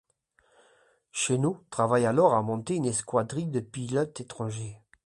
Chennault travaille alors à monter une escadrille de pilotes étrangers.